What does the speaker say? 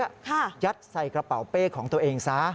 ยัดใส่กระเป๋าเป้ของตัวเองซะ